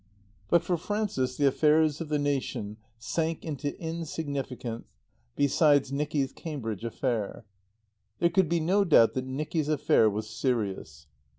But for Frances the affairs of the nation sank into insignificance beside Nicky's Cambridge affair. There could be no doubt that Nicky's affair was serious.